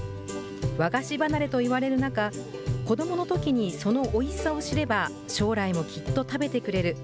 和菓子離れといわれる中、子どものときにそのおいしさを知れば、将来もきっと食べてくれる。